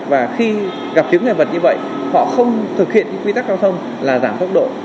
và khi gặp những người vật như vậy họ không thực hiện quy tắc giao thông là giảm tốc độ